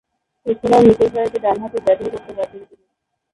এছাড়াও, নিচেরসারিতে ডানহাতে ব্যাটিং করতে পারতেন তিনি।